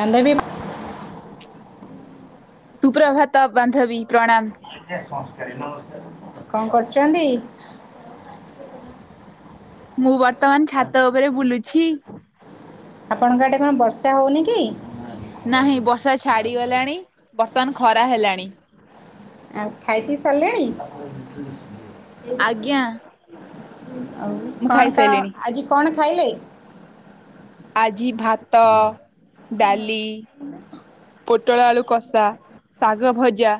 ବାନ୍ଧବୀ ସୁପ୍ରଭାତ ବାନ୍ଧବୀ ପ୍ରଣାମ। କଣ କରୁଚନ୍ତି। ମୁଁ ବର୍ତ୍ତମାନ ଛାତ ଉପରେ ବୁଲୁଛି। ଆପଣଙ୍କ ଆଡେ କଣ ବର୍ଷା ହୋଉନି କି? ନାହିଁ ବର୍ଷା ଛାଡିଗଲାଣି ବର୍ତ୍ତମାନ ଖରା ହେଲାଣି। ଆଉ ଖାଇ ପିଇ ସାରିଲେଣି। ଆଜ୍ଞା। ଆଉ ମୁଁ କଣ କଣ ଖାଇସାରିଲିଣି ଆଜି କଣ ଖାଇଲେ। ଆଜି ଭାତ ଡାଲି ପୋଟଳ ଆଳୁ କଷା ଶାଗ ଭଜା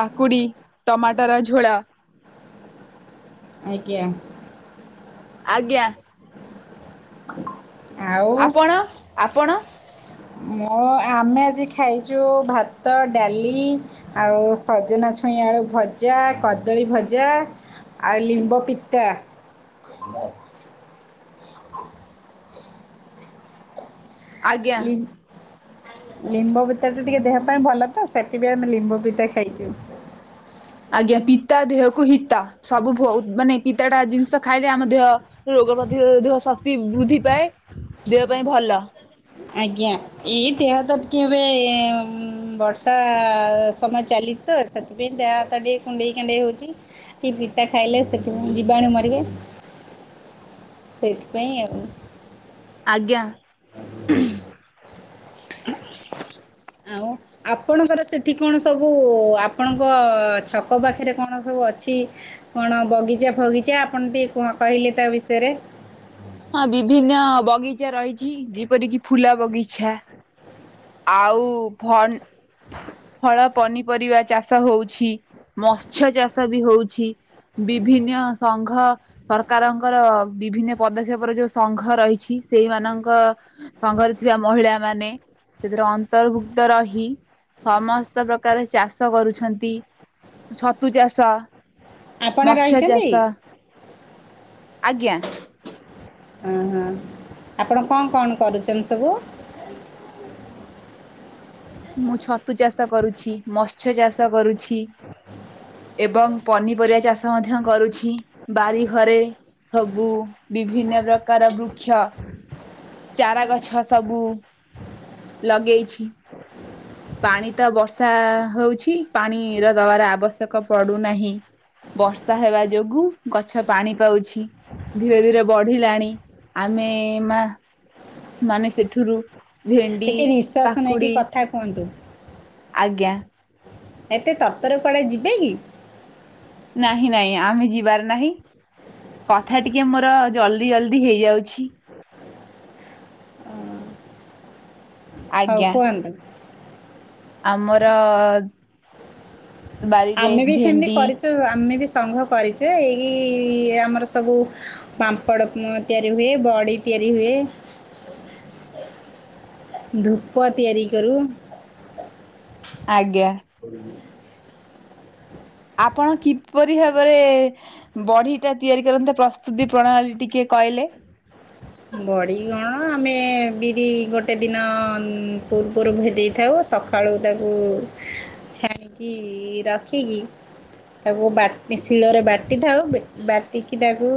କାକୁଡି ଟମାଟର ଝୋଳ। ଆଜ୍ଞା। ଆଜ୍ଞା। ଆଉ ଆପଣ ଆପଣ। ମୁଁ ଆମେ ଆଜି ଖାଇଚୁ ଭାତ ଡାଲି ଆଉ ସଜନା ଛୁଇଁ ଆଳୁ ଭଜା କଦଳୀ ଭଜା ଆଉ ଲିମ୍ବ ପିତା। ହ ଆଜ୍ଞା ଲିମ୍ ଲିମ୍ବ ପିତ ଟା ଟିକେ ଦେହ ପାଇଁ ଭଲ ତ ସେଥି ପାଇଁ ଆମେ ଲିମ୍ବ ପିତା ଖାଇଚୁ। ଆଜ୍ଞା ପିତା ଦେହକୁ ହିତା ସବୁ ବହୁତ ମାନେ ପିତାଟା ଜିନିଷ ଖାଇଲେ ଆମ ଦେହ ରୋଗ ପ୍ରତିରୋଧକ ଶକ୍ତି ବୃଦ୍ଧି ପାଏ ଦେହ ପାଇଁ ଭଲ। ଆଜ୍ଞା ଏଇ ଦେହ ତ ଟିକିଏ ଏବେ ଉଁ ବର୍ଷା ସମୟ ଚାଲି ଚି ତ ସେଥି ପାଇଁ ଦେହ ହାତ ଟିକେ କୁଣ୍ଡେଇ କାଣ୍ଡେଇ ହଉଚି। କି ପିତା ଖାଇଲେ ସେଥିପାଇଁ ଯିବାଣୁ ମରିବେ ସେଥିପାଇଁ ଆଉ। ଆଜ୍ଞା। ଆଉ। ଆପଣଙ୍କର ସେଠି କଣ ସବୁ ଆପଣଙ୍କ ଛକ ପାଖରେ କଣ ସବୁ ଅଛି କଣ ବଗିଚା ଫଗିଚା ଆପଣ ଟିକେ କୁ କହିଲେ ତା ବିଷୟରେ। ହଁ ବିଭିନ୍ନ ବଗିଚା ରହିଛି ଯେପରିକି ଫୁଲା ବଗିଚା ଆଉ ଭନ୍ ଫଳ ପନିପରିବା ଚାଷ ହଉଛି ମତ୍ସ୍ୟ ଚାଷ ବି ହଉଛି। ବିଭିନ୍ନ ସଂଘ ସରକାରଙ୍କର ବିଭିନ୍ନ ପଦକ୍ଷେପର ଯୋଉ ସଂଘ ରହିଛି ସେଇମାନଙ୍କ ସଂଘରେ ଥିବା ମହିଳା ମାନେ ସେଥିରେ ଅନ୍ତର୍ଭୁକ୍ତ ରହି ସମସ୍ତ ପ୍ରକାର ଚାଷ କରୁଛନ୍ତି। ଛତୁ ଚାଷ ଆପଣ ମତ୍ସ୍ୟ ରହିଛନ୍ତି ଚାଷ ଆଜ୍ଞା। ହଁ ହଁ ଆପଣ କଣ କଣ କରୁଚନ୍ତି ସବୁ। ମୁଁ ଛତୁ ଚାଷ କରୁଛି ମତ୍ସ୍ୟ ଚାଷ କରୁଛି ଏବଂ ପନିପରିବା ଚାଷ ମଧ୍ୟ କରୁଛି ବାରି ଘରେ ସବୁ ବିଭିନ୍ନ ପ୍ରକାର ବୃକ୍ଷ ଚାରା ଗଛ ସବୁ ଲଗେଇଛି। ପାଣି ତ ବର୍ଷା ହୋଉଚି ପାଣିର ଦବାର ଆବଶ୍ୟକ ପଡୁନାହିଁ। ବର୍ଷା ହେବା ଯୋଗୁ ଗଛ ପାଣି ପାଉଚି। ଧୀରେ ଧୀରେ ବଢିଲାଣି ଆମେ ମା ମାନେ ସେଥିରୁ ଭେଣ୍ଡି ଟିକେ ନିଶ୍ୱାସ ନେଇକି କାକୁଡି। କଥା କୁହନ୍ତୁ। ଆଜ୍ଞା। ଏତେ ତର ତର କୁଆଡେ ଯିବେ କି? ନାହିଁ ନାଇଁ ଆମେ ଯିବାର ନାହିଁ। କଥା ଟିକେ ମୋର ଜଲ୍ଦି ଜଲଦି ହେଇଯାଉଛି। ହୋଉ ଆଜ୍ଞା କୁହ [unintelligible] ଆମର ବାରିରେ ଆମେ ବି ସେମିତି ଭେଣ୍ଡି କରିଚୁ ଆମେ ବି ସଂଘ କରିଚୁ ଏଇକି ଆମର ସବୁ ପାମ୍ପଡ଼ ତିଆରି ହୁଏ, ବଡି ତିଆରି ହୁଏ। ଧୂପ ତିଆରି କରୁ। ଆଜ୍ଞା। ହ ହ ଆପଣ କିପରି ଭାବରେ ବଢି ଟା ତିଆରି କରନ୍ତେ ପ୍ରସ୍ତୁତି ପ୍ରଣାଳୀ ଟିକେ କହିଲେ? ବଡ଼ିଗଣ ଆମେ ବିରି ଗୋଟେ ଦିନ ପୂର୍ବରୁ ଭେଜାଇଥାଉ ସଖା ସଖାଳୁ ତାକୁ ଛାଣିକି ରଖିକି ତାକୁ ବାଟି ଶିଳରେ ବାଟି ଥାଉ ବାଟିକି ତାକୁ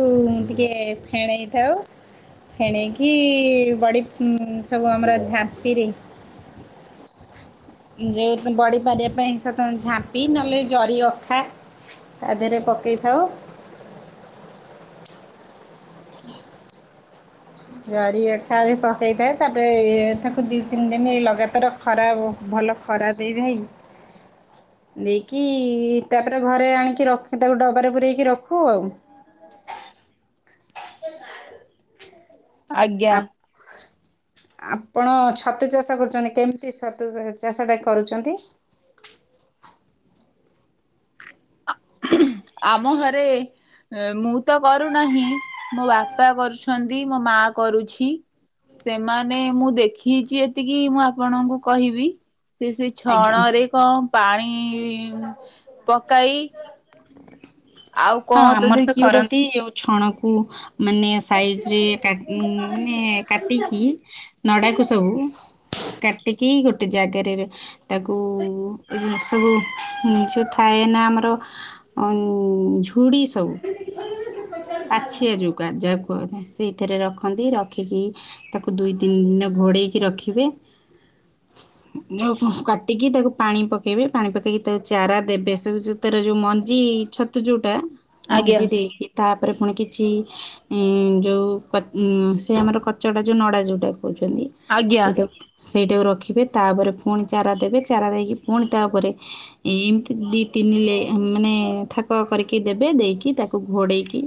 ଟିକେ ଫେଣେଇଥାଉ। ଫେଣକି ବଡ଼ି ସବୁ ଆମର ଝାମ୍ପିରେ ଯେଉଁ ବଡ଼ିପାରିବା ପାଇଁ ସତ ଝାମ୍ପି ନହେଲେ ଜରି ଅଖା। ତା ଦେହରେ ପକେଇଥାଉ। ହ୍ [inaudible] ଜରି ଅଖାରେ ପକାଇଥାଏ ତାପରେ ତାକୁ ଦୁଇ ତିନି ଦିନ ଲଗାତାର ଖରା ଭଲ ଖରାପ ଦେଇଥାଏ [unintelligible] ଦେଇକି ତାପରେ ଘରେ ଆଣିକି ରଖ ତାକୁ ଡବାରେ ପୂରୋଇକି ରଖୁ ଆଉ। ଆଜ୍ଞା। ଆପ- ଆପଣ ଛତୁ ଚାଷ କରୁଛନ୍ତି, କେମିତି ଛତୁ ଚାଷ ଟା କରୁଛନ୍ତି? ଆମ ଘରେ ମୁଁ ତ କରୁନାହିଁ ମୋ ବାପା କରୁଛନ୍ତି ମୋ ମାଆ କରୁଛି। ସେମାନେ ମୁଁ ଦେଖିଚି ଏତିକି ମୁଁ ଆପଣଙ୍କୁ କହିବି ସେ ସେ ଆଜ୍ଞା ଛଣ ରେ କଣ ପାଣି ପକାଇ ଆଉ ହଁ କଣ ଆମର ତ ଦେଖି ଗୋଟେ କରନ୍ତି ଯୋଉ ଛଣକୁ ମାନେ ସାଇଜରେ କା ମାନେ କାଟିକି ନଡାକୁ ସବୁ। କାଟିକି ଗୋଟେ ଜାଗାରେ ତାକୁ ଏ [unintelligible] କାହିଁକି ନା ଆମର ଝୁଡି ସ୍ ସବୁ ପାଛିଆ ଯୋଉ କାଜ କୁ ସେଇଥିରେ ରଖନ୍ତି ରଖିକି। ତାକୁ ଦୁଇ ତିନି ଦିନ ଘୋଡେଇକି ରଖିବେ। ଯୋଉ କାଟିକି ତାକୁ ପାଣି ପକେଇବେ ପାଣି ପକେଇକି ତାକୁ ଚାରା ଦେବେ ସେ ଯୋଉ ତାର ଯୋଉ ମ ମଞ୍ଜି ଛତୁ ଯୋଉଟା ଆଜ୍ଞା ମଞ୍ଜି ଦେଇକି ତାପରେ ପୁଣି କିଛି ଉଁ ଯୋଉ କ ସେ ଆମର କଚାଟା ଯୋଉ ନଡା ଯୋଉଟା କୋହୁଛନ୍ତି। ଆଜ୍ଞା ସେଇଟାକୁ ରଖିବେ, ତାପରେ ପୁଣି ଚାରା ଦେବେ, ଚାରା ଦେଇକି ପୁଣି ତାପରେ ଏମତି ଦିଇ ତିନି ଲେ [unintelligible] ମାନେ ଠାକ କରିକି ଦେବେ, ଦେଇକି ତାକୁ ଘୋଡ଼େଇକି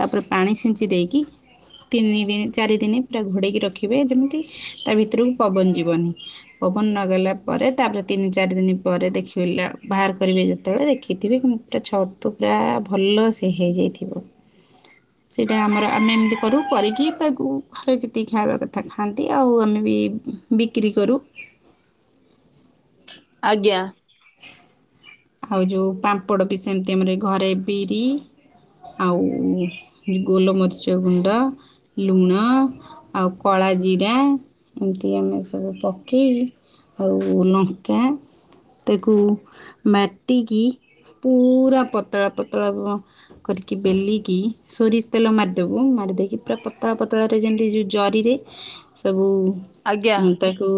ତାପରେ ପାଣି ଛିଞ୍ଚି ଦେଇକି ତିନି ଦିନ ଚାରିଦିନ ପୁରା ଘୋଡ଼େଇକି ରଖିବେ ଯେମିତି ତା ଭିତରୁକୁ ପବନ ଯିବନି। ପବନ ନଗଲା ପରେ ତାପରେ ତିନି ଚାରି ଦିନ ପରେ ଦେଖିବ ବାହାର କରିବେ ଯେତେବେଳେ ଦେଖିବେ। ଥିବେ କି ମୁଟା ଛତୁ ପୁରା ଭଲ ସେ ହେଇଯାଇଥିବ। [unintelligible] ସେଇଟା ଆମର ଆମେ ଏମିତି କରୁ କରିକି ତାକୁ ଘରେ ଯେତିକି ଖାଇବା କଥା ଖାଆନ୍ତି ଆଉ ଆମେ ବି ବିକ୍ରି କରୁ। ଆଜ୍ଞା। ହଏ ଯୋଉ ପାମ୍ପଡ଼ ବି ସେମିତି ଆମର ଘରେ ବିରି ଆଉ ଗୋଲମରିଚ ଗୁଣ୍ଡ ଲୁଣ ଆଉ କଳା ଜିରା ଏମତି ଆମେ ସବୁ ପକେଇ ଆଉ ଲଙ୍କା ତାକୁ ମାଟିକି ପୁରା ପତଳା ପତଳା ହୁଅ କରିକି ବେଲିକି ସୋରିଷ ତେଲ ମାରିଦେବୁ ମାରିଦେଇକି ପୁରା ପତଳା ପତଳାରେ ଯେମିତି ଯୋଉ ଜରିରେ ସବୁ ଆଜ୍ଞା ତାକୁ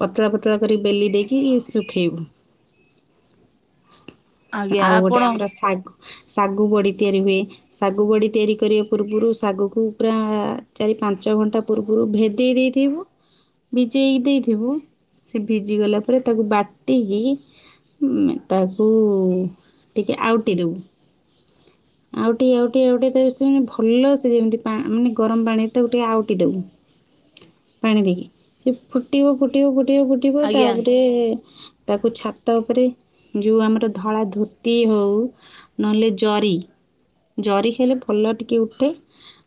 ପତଳା ପତଳା କରି ବେଲି ଦେଇକି ଶୁଖେଇବୁ। ଆଜ୍ଞା ଆଉ ଗୋଟେ ଆପଣ ଆମର ଶାଗ ଶାଗୁ ବଡି ତିଆରି ହୁଏ। ଶାଗୁ ବଡି ତିଆରି କରିବା ପୂର୍ବରୁ ଶାଗକୁ ପୁରା ଚାରି ପାଞ୍ଚ ଘଣ୍ଟା ପୂର୍ବରୁ ଭେଦେଇ ଦେଇଥିବୁ। ଭିଜେଇକି ଦେଇଥିବୁ ସେ ଭିଜିଗଲା ପରେ ତାକୁ ବାଟିକି ଉଁ ତାକୁ ଟିକେ ଆଉଟି ଦବୁ। [unintelligible] ଆଉଟିି ଆଉଟି ଆଉଟି ତ ସେ ମାନେ ଭଲସେ ଯେମିତି ମାନେ ପା ଗରମ ପାଣିରେ ଟିକେ ଆଉଟି ଦେବୁ। ହ ପାଣି ଦେଇକି ସେ ଫୁଟିବ ଫୁଟିବ ଫୁଟିବ ଫୁ ଟିବ ଆଜ୍ଞା ତାପରେ ତାକୁ ଛାଟି ତା ଉପରେ ଯୋଉ ଆମର ଧଳା ଧୋତି ହେଉ ନହେଲେ ଜରି। ଜରି ହେଲେ ଭଲ ଟିକେ ଉଠେ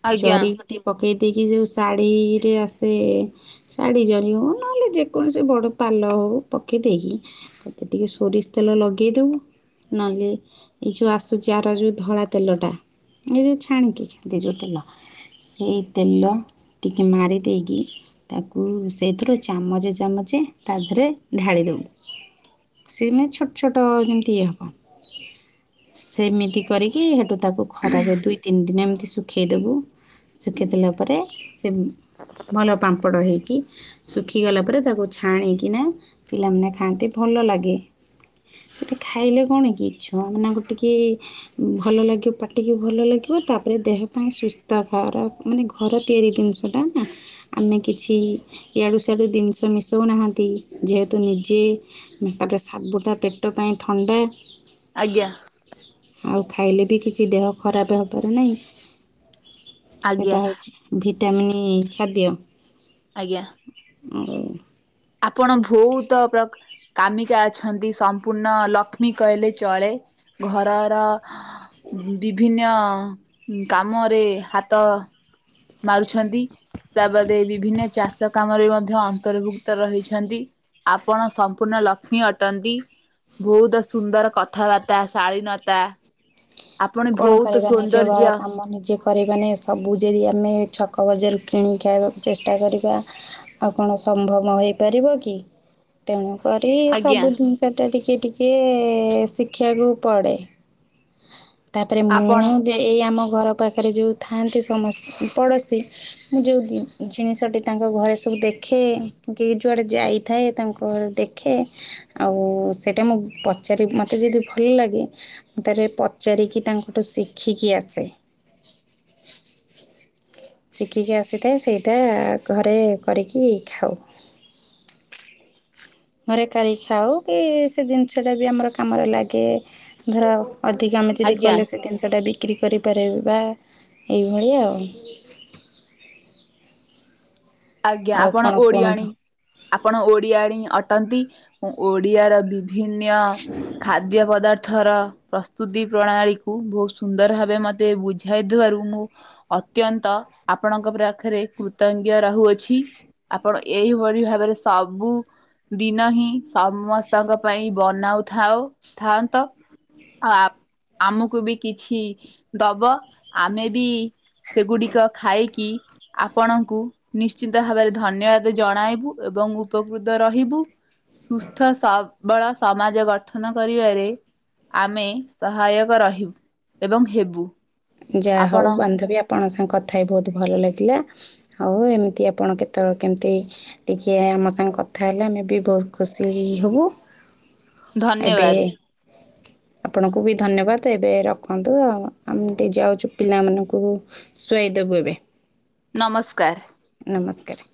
ଆଜ୍ଞା ଜରିମା ଟିକେ ପକେଇ ଦେଇକି ଯୋଉ ଶାଢ଼ୀରେ ଆସେ ଶାଢ଼ୀ ଜରି ହଉ ନହେଲେ ଯେକୌଣସି ବଡ଼ ପାଲ ହେଉ ପକେଇଦେଇକି ଟିକେ ସୋରିଷ ତେଲ ଲଗେଇଦେବୁ। ନହେଲେ ଏ ଯୋଉ ଆସୁଛି ଆର ଯୋଉ ଧଳା ତେଲଟା ଏଇ ଯୋଉ ଛାଣିକି ଖାଆନ୍ତି ଯୋଉ ତେଲ ସେଇ ତେଲ ଟିକେ ମାରି ଦେଇକି ତାକୁ ସେଇଥିରୁ ଚାମଚେ ଚାମଚେ ତା ଦେହରେ ଢାଳି ଦେବୁ। ସେମ ଛୋଟ ଛୋଟ ଯେମିତି ଇଏ ହେବ ସେମିତି କରିକି ସେଠୁ ତାକୁ ଖରାରେ ଦୁଇ ତିନି ଦିନ ଏମିତି ଶୁଖେଇ ଦେବୁ ଶୁଖେଇ ଦେଲା ପରେ ସେ ଭଲ ପାମ୍ପଡ଼ ହେଇକି। ଶୁଖିଗଲା ପରେ ତାକୁ ଛାଣିକିନା ପିଲାମାନେ ଖାଆନ୍ତି ଭଲ ଲାଗେ। ସେଇଟା ଖାଇଲେ କଣ କି ଛୁଆମାନଙ୍କୁ ଟିକେ ଭଲ ଲାଗିବ ପାଟିକି ଭଲ ଲାଗିବ ତାପରେ ଦେହ ପାଇଁ ସୁସ୍ଥ କର ମାନେ ଘର ତିଆରି ଜିନିଷଟା ନା। ଆମେ କିଛି ୟାଡ଼ୁ ସାଡ଼ୁ ଜିନିଷ ମିଶାଉନାହାଁନ୍ତି ଯେହେତୁ ନିଜେ ତାପରେ ସାବୁଟା ପେଟ ପାଇଁ ଥଣ୍ଡା ଆଜ୍ଞା। ଆଉ ଖାଇଲେ ବି କିଛି ଦେହ ଖରାପ ହବାର ନାହିଁ ଆଜ୍ଞା ସେଇଟା ହେଉଛି ଭିଟାମିନ୍ ଖାଦ୍ୟ। ଆଜ୍ଞା। ଆଉ ଆପଣ ବହୁତ ପ୍ର କାମିକା ଅଛନ୍ତି ସମ୍ପୂର୍ଣ୍ଣ ଲକ୍ଷ୍ମୀ କହିଲେ ଚଳେ ଘରର ବିଭିନ୍ନ କାମରେ ହାତ ମାରୁଛନ୍ତି, ତା ବାଦେ ବିଭିନ୍ନ ଚାଷ କାମରେ ମଧ୍ୟ ଅନ୍ତର୍ଭୁକ୍ତ ରହିଛନ୍ତି ଆପଣ ସମ୍ପୂର୍ଣ୍ଣ ଲକ୍ଷ୍ମୀ ଅଟନ୍ତି। ବହୁତ ସୁନ୍ଦର କଥାବାର୍ତ୍ତା ଶାଳୀନତା। ଆପଣ ବହୁତ ସୌନ୍ଦର୍ଯ୍ୟ। ମନେ ଯେକ କରିବାନି ସବୁ ଯଦି ଆମେ ଛକ ବଜାରୁ କିଣିକି ଖାଇବା ଚେଷ୍ଟା କରିବା ଆଉ କଣ ସମ୍ଭବ ହେଇପାରିବ କି? ତେଣୁ କରି ଆଜ୍ଞା ସବୁ ଜିନିଷଟା ଟିକେ ଟିକେ ଶିଖିବାକୁ ପଡ଼େ। ତାପରେ ମୁଁ ଆପଣ ଯେ ଏଇ ଆମ ଘର ପାଖରେ ଯୋଉ ଥାଆନ୍ତି ସମସ ଉଁ, ପଡ଼ୋଶୀ। ମୁଁ ଯେଉଁ ଗୀ ଜିନିଷଟି ତାଙ୍କ ଘରେ ସବୁ ଦେଖେ, କି ଯୁଆଡ଼େ ଯାଇଥାଏ ତାଙ୍କ ଘରେ ଦେଖେ। ଆଉ ସେଟା ମୁଁ ପଚାରି ମୋତେ ଯଦି ଭଲ ଲାଗେ ମୁଁ ତାରେ ପଚାରିକି ତାଙ୍କଠୁ ଶିକ୍ଷିକି ଆସେ। ଶିଖିକି ଆସିଥାଏ ସେଇଟା ଘରେ କରିକି ଖାଉ। ଘରେ କରିକି ଖାଉ କି ସେ ଜିନିଷଟା ବି ଆମର କାମରେ ଲାଗେ ଧର ଅଧିକ ଆମେ ଯଦି ଆଜ୍ଞା କଲେ ସେ ଦିନିଷଟା ବିକ୍ରି କରିପାରେ ବା ଏଇଭଳି ଆଉ। ଆଜ୍ଞା ଆଉ ଆପଣ କଣ ଓଡିଆଣୀ, କୁହନ୍ତୁ ଆପଣ ଓଡିଆଣୀ ଅଟନ୍ତି। ମୁଁ ଓଡ଼ିଆର ବିଭିନ୍ୟ ଖାଦ୍ୟ ପଦାର୍ଥର ପ୍ରସ୍ତୁତି ପ୍ରଣାଳୀ କୁ ବହୁତ ସୁନ୍ଦର ଭାବେ ମୋତେ ବୁଝାଇଥିବାରୁ। ମୁଁ ଅତ୍ୟନ୍ତ ଆପଣଙ୍କ ପାଖରେ କୃତଜ୍ଞ ରହୁଅ ଛି, ଆପଣ ଏଇଭଳି ଭାବରେ ସବୁ ଦିନ ହିଁ ସମସ୍ତଙ୍କ ପାଇଁ ବନାଉଥାଉ ଥାନ୍ତ। ଆଉ ଆ, ଆମକୁ ବି କିଛି ଦବ। ଆମେ ବି ସେଗୁଡ଼ିକ ଖାଇକି ଆପଣଙ୍କୁ ନିଶ୍ଚିିତ ଭାବରେ ଧନ୍ୟବାଦ ଜଣାଇବୁ ଏବଂ ଉପକୃତ ରହିବୁ। ସୁସ୍ଥ ସବଳ ସମାଜ ଗଠନ କରିବାରେ ଆମେ ସହାୟକ ରହିବୁ ଏବଂ ହେବୁ। ଯାହା ହଉ ଆପଣ ବାନ୍ଧବୀ ଆ ଆପଣ ସାଙ୍ଗ କଥା ହେଇ ବହୁତ ଭଲ ଲାଗିଲା। ଆଉ ଏମିତି ଆପଣ କେତେବେଳେ କେମିତି ଟିକେ ଆମ ସାଙ୍ଗେ କଥା ହେଲେ ଆମେ ବି ବହୁତ ଖୁସି ହି- ହି- ହବୁ। ଏବେ ଧନ୍ୟବାଦ ଆପଣଙ୍କୁ ବି ଧନ୍ୟବାଦ ଏବେ ରଖନ୍ତୁ। ଆଉ ଆ ମୁଁ ଟେ ଯାଉଛୁ ପିଲାମାନଙ୍କୁ ଶୁଆଇ ଦବୁ ଏବେ। ନମସ୍କାର। ନମସ୍କାର।